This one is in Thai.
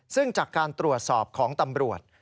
ซึ่งจากการตรวจสอบของตำรวจ